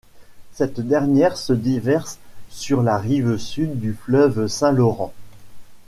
Cette dernière se déverse sur la rive sud du Fleuve Saint-Laurent.